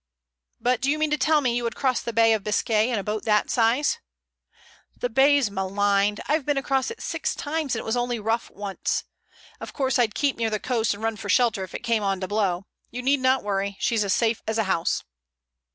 "But do you mean to tell me you would cross the Bay of Biscay in a boat that size?" "The Bay's maligned. I've been across it six times and it was only rough once. Of course, I'd keep near the coast and run for shelter if it came on to blow. You need not worry. She's as safe as a house."